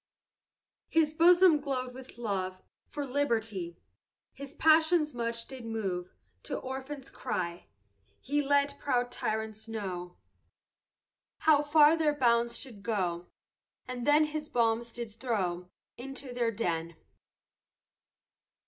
His bosom glow'd with love For liberty, His passions much did move To orphans' cry, He let proud tyrants know, How far their bounds should go And then his bombs did throw Into their den.